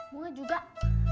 bapak udah terlambat